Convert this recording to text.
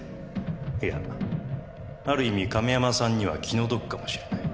いやある意味亀山さんには気の毒かもしれない。